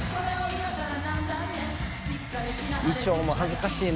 衣装も恥ずかしいな。